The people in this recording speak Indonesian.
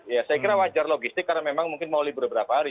ya saya kira wajar logistik karena memang mungkin mau libur berapa hari